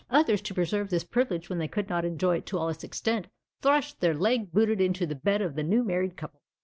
Others, to preserve this privilege when they could not enjoy it in all its extent, thrust their leg booted into the bed of the new married couple.